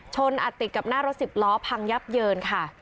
อัดติดกับหน้ารถสิบล้อพังยับเยินค่ะ